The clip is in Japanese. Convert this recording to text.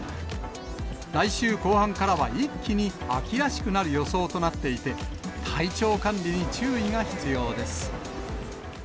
来週後半からは一気に秋らしくなる予想となっていて、体調管理に注意が必要です。